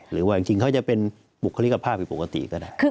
หรือว่าจริงเขาจะเป็นบุคลิกภาพผิดปกติก็ได้